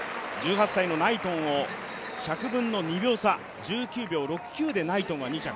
１８歳のナイトンを１００分の２秒差１９秒６９でナイトンは２着。